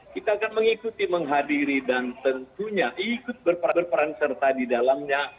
kita akan mengikuti menghadiri dan tentunya ikut berperan peran serta di dalamnya